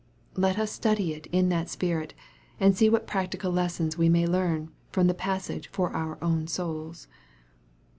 Let us study it in that spirit, and see what practical lessons we may learn from the passage for our own souls.